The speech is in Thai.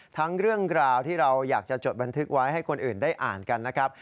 เรื่องราวที่เราอยากจะจดบันทึกไว้ให้คนอื่นได้อ่านกันนะครับ